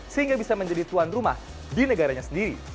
sehingga bisa menjadi tuan rumah di negaranya sendiri